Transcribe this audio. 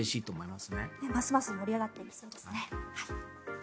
ますます盛り上がっていきそうですね。